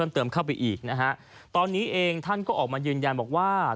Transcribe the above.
ตอนนี้เองท่านก็ยืนยันออกมาว่า